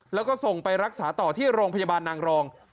แล้วก็ส่งไปรักษาต่อที่โรงพยาบาลนางรอง